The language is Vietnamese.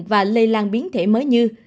và lây lan biến thể mới như